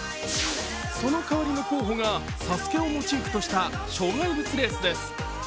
その代わりの候補がＳＡＳＵＫＥをモチーフトした障害物レースです。